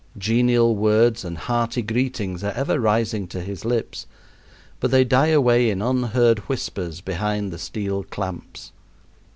Genial words and hearty greetings are ever rising to his lips, but they die away in unheard whispers behind the steel clamps.